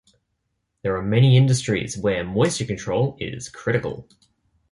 There are many industries where moisture control is critical.